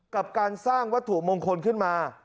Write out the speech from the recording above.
กับการสร้างวัตถุมงคลขึ้นมา